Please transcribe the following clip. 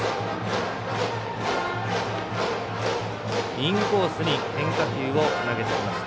インコースに変化球を投げてきました。